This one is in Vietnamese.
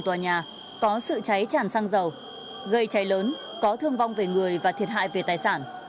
tòa nhà có sự cháy tràn xăng dầu gây cháy lớn có thương vong về người và thiệt hại về tài sản